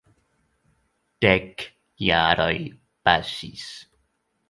Dek jaroj pasis.